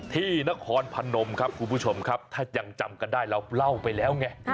เธอตั้งอยู่ห้องที่นครพะนมครับถ้ายังจำกันได้เราเล่าไปแล้วไง